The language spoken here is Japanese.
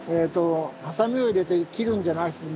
ハサミを入れて切るんじゃなしに。